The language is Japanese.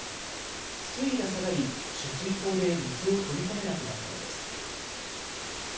水位が下がり、取水口で水を取り込めなくなったのです。